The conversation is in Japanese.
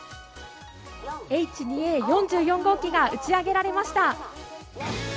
Ｈ２Ａ４号機が打ち上げられました。